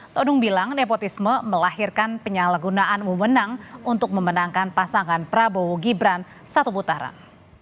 todung bilang nepotisme melahirkan penyalahgunaan wewenang untuk memenangkan pasangan prabowo gibran satu putaran